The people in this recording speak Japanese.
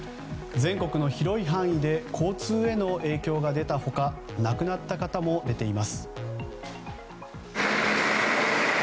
全国の広い範囲で交通への影響が出た他亡くなった方も出ています。